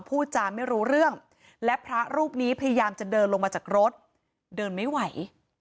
พูดจาไม่รู้เรื่องและพระรูปนี้พยายามจะเดินลงมาจากรถเดินไม่ไหว